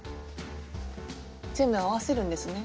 全部合わせるんですね。